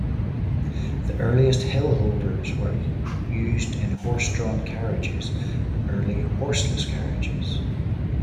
The earliest hill holders were used in horse-drawn carriages and early horseless carriages.